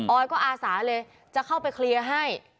อยก็อาสาเลยจะเข้าไปเคลียร์ให้